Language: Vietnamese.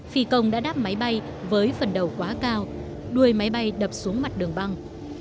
phi công đã đáp máy bay với phần đầu quá cao đuôi máy bay đập xuống mặt đường băng